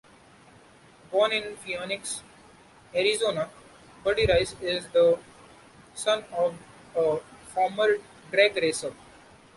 Born in Phoenix, Arizona, Buddy Rice is the son of a former drag racer.